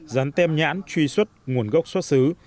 gián tem nhãn truy xuất nguồn gốc xuất xứ